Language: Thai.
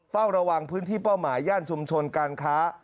เฝ้าระวังพื้นที่เป้าหมายย่านชุมชนการค้า